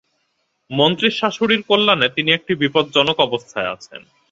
মন্ত্রীর শাশুড়ির কল্যাণে তিনি একটি বিপজ্জনক অবস্থায় আছেন।